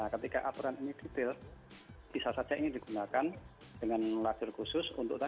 ketika aturan ini detail bisa saja ini digunakan dengan lajur khusus untuk tadi